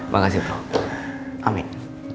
makasih bu amin